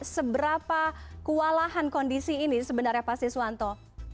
seberapa kewalahan kondisi ini sebenarnya pak siswanto